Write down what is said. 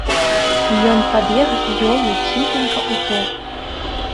Ён пабег з ёю ціхенька ў ток.